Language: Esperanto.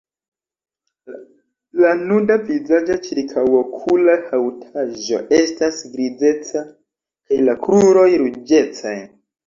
La nuda vizaĝa ĉirkaŭokula haŭtaĵo estas grizeca kaj la kruroj ruĝecaj.